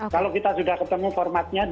kalau kita sudah ketemu formatnya